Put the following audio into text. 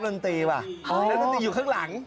คนนี้เมาแล้วหลับเออเขายังชั่วหน่อย